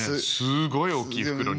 すごい大きい袋に。